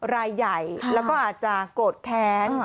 รายใหญ่แล้วก็อาจจะโกรธแค้น